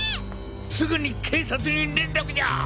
すぐに警察に連絡じゃっ！